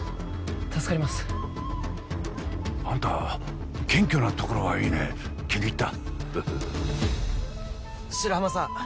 助かりますあんた謙虚なところはいいね気に入った白浜さん